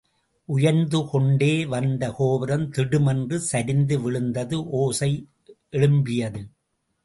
உயர்ந்து கொண்டே வந்த கோபுரம் திடுமென்று சரிந்து விழுந்து ஓசை எழும்பியது.